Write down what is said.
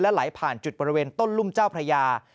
ไหลผ่านจุดบริเวณต้นรุ่มเจ้าพระยา